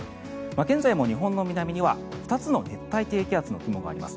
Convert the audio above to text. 現在も日本の南には２つの熱帯低気圧の雲があります。